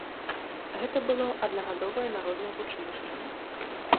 Гэта было аднагадовае народнае вучылішча.